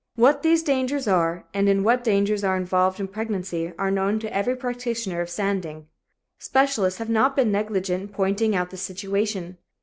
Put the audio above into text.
What these diseases are and what dangers are involved in pregnancy are known to every practitioner of standing. Specialists have not been negligent in pointing out the situation.